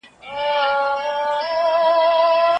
که خشونت زیات سي نو ټولنه به له ګواښ سره مخ سي.